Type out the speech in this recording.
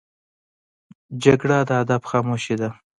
جګړه د ادب خاموشي ده